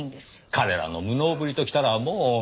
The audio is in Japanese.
彼らの無能ぶりときたらもう目に余ります。